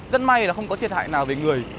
rất may là không có thiệt hại nào về người